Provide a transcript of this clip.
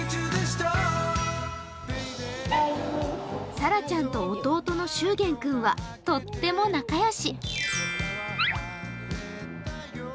さらちゃんと弟のしゅうげん君はとっても仲良し。